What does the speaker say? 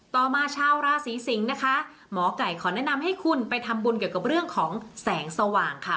ต่อมาชาวราศีสิงศ์นะคะหมอไก่ขอแนะนำให้คุณไปทำบุญเกี่ยวกับเรื่องของแสงสว่างค่ะ